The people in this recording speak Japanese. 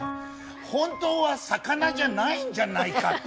本当は魚じゃないんじゃないかって。